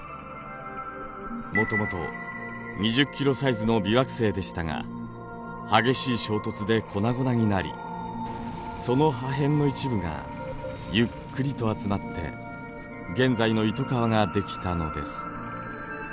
もともと２０キロサイズの微惑星でしたが激しい衝突で粉々になりその破片の一部がゆっくりと集まって現在のイトカワができたのです。